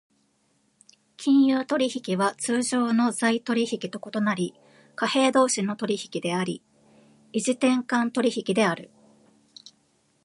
金融取引は通常の財取引と異なり、貨幣同士の取引であり、異時点間取引である。